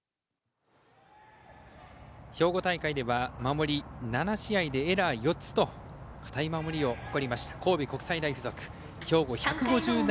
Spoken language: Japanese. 兵庫大会では守り７試合でエラー４つという堅い守りを誇りました。